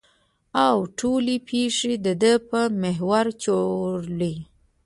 او ټولې پېښې د ده په محور چورلي.